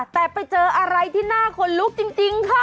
แต่ไปเจออะไรที่น่าขนลุกจริงค่ะ